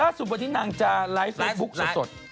สุดวันนี้นางจะไลฟ์เฟซบุ๊คสด